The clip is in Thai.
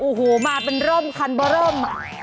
โอ้โหมาเป็นร่มคันเบอร์ร่ม